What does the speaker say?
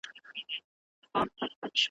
هغه وخت چي دی د مرګ په رنځ رنځور سو `